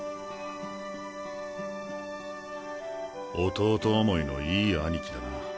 弟思いのいい兄貴だな。